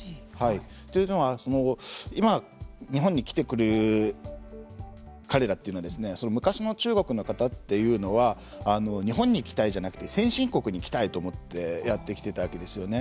というのは、今、日本に来る彼らというのは昔の中国の方というのは日本に行きたいではなくて先進国に行きたいと思ってやってきてたわけですよね。